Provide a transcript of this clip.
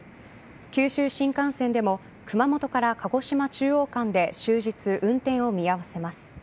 九州新幹線でも熊本から鹿児島中央間で終日、運転を見合わせます。